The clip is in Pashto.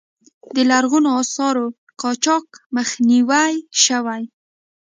د لرغونو آثارو قاچاق مخنیوی شوی؟